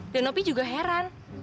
dan opi juga heran